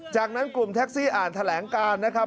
จากนั้นกลุ่มแท็กซี่อ่านแถลงการนะครับ